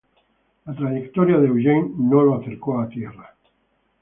La trayectoria de Eugene no lo acercó a tierra.